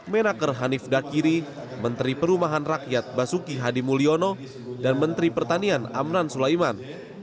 menaker hanif dakiri menteri perumahan rakyat basuki hadi mulyono dan menteri pertanian amran sulaiman